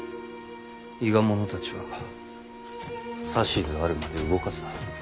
伊賀者たちは指図あるまで動かすな。